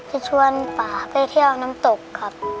จะชวนป่าไปเที่ยวน้ำตกครับ